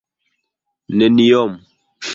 neniom